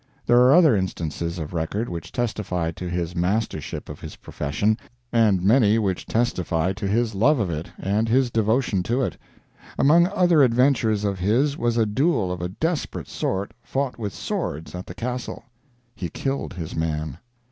There are other instances of record which testify to his mastership of his profession; and many which testify to his love of it and his devotion to it. Among other adventures of his was a duel of a desperate sort, fought with swords, at the Castle. He killed his man.